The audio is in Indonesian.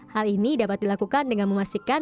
hal ini dapat dilakukan dengan memastikan